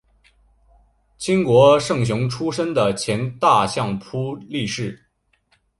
清国胜雄出身的前大相扑力士。